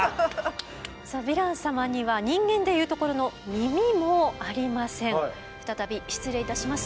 さあヴィラン様には人間で言うところの再び失礼いたします。